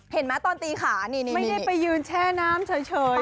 เห็นไหมตอนตีขานี่ไม่ได้ไปยืนแช่น้ำเฉยนะคะ